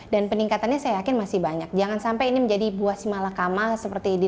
dan peningkatannya saya yakin masih banyak jangan sampai ini menjadi buah simalakama seperti di